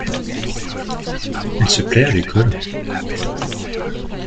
Il se plait à l’école ?